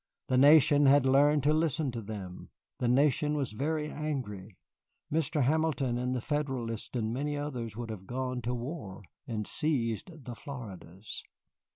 The Nation had learned to listen to them. The Nation was very angry. Mr. Hamilton and the Federalists and many others would have gone to war and seized the Floridas.